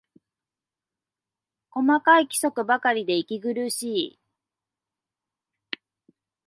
細かい規則ばかりで息苦しい